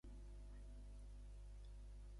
Siguen ells els térmens eterns dels teus eixamples.